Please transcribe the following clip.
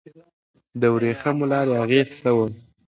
د ورېښمو لارې اغېز څه و؟